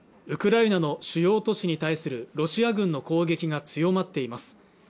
ウクライナの主要都市に対するロシア軍の攻撃が強まっています